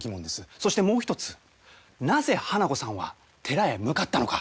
そしてもう一つなぜ花子さんは寺へ向かったのか。